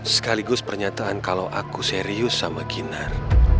sekaligus pernyataan kalau aku serius sama ginar